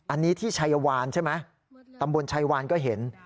อันนี้ที่ชัยวานใช่ไหมตำบลชัยวานก็เห็น